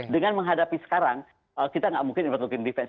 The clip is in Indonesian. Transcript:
dengan menghadapi sekarang kita nggak mungkin inward looking defense